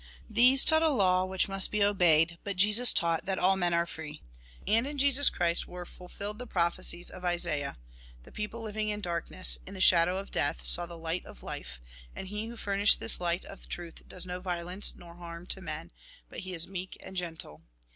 These taught a law which must be obeyed, but Jesus taught that all men are free. And in Jesus Christ were fulfilled the prophecies of Isaiah :" The people living in darkness, in the shadow of death, saw the light of life, and he who furnished this light of truth does no violence nor harm to men, but he is meek and gentle.